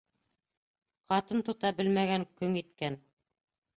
Ҡатын тота белмәгән көң иткән